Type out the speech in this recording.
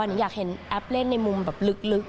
นิงอยากเห็นแอปเล่นในมุมแบบลึก